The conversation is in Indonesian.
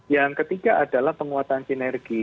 yang ketiga adalah penguatan sinergi